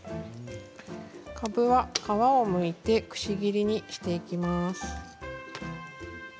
かぶは皮をむいてくし切りにしていきます。